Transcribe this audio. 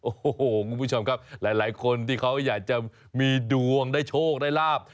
โอ้โหคุณผู้ชมครับหลายคนที่เขาอยากจะมีดวงได้โชคได้ลาบ